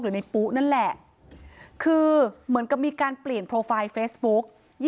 ในปุ๊นั่นแหละคือเหมือนกับมีการเปลี่ยนโปรไฟล์เฟซบุ๊ก